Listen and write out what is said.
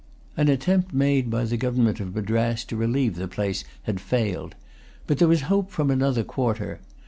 An attempt made by the government of Madras to relieve the place had failed. But there was hope from another quarter.